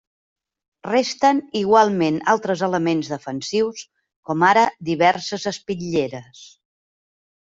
Resten igualment altres elements defensius, com ara, diverses espitlleres.